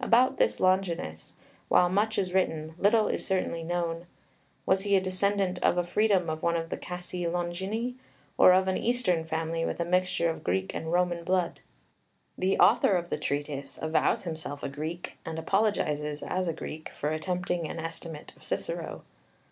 About this Longinus, while much is written, little is certainly known. Was he a descendant of a freedman of one of the Cassii Longini, or of an eastern family with a mixture of Greek and Roman blood? The author of the Treatise avows himself a Greek, and apologises, as a Greek, for attempting an estimate of Cicero.